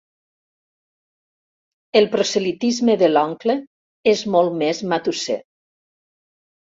El proselitisme de l'oncle és molt més matusser.